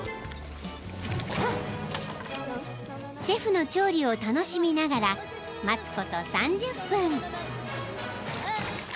［シェフの調理を楽しみながら待つこと３０分］